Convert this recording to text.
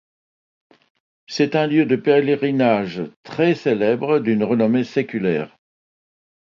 C'est un lieu de pèlerinage très célèbre d'une renommée séculaire.